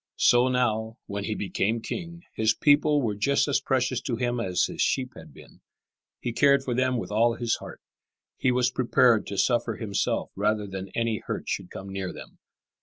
So now, when he became king, his people were just as precious to him as his sheep had been. He cared for them with all his heart. He was prepared to suffer himself rather than any hurt should come near them.